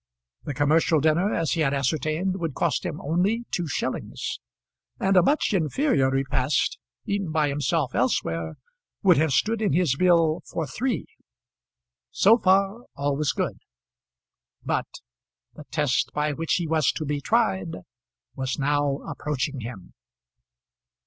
The commercial dinner, as he had ascertained, would cost him only two shillings, and a much inferior repast eaten by himself elsewhere would have stood in his bill for three. So far all was good; but the test by which he was to be tried was now approaching him.